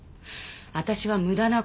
私は無駄な事は。